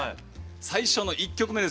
最初の１曲目ですよ